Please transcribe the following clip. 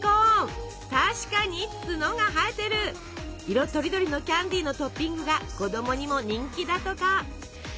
色とりどりのキャンディーのトッピングが子どもにも人気だとか。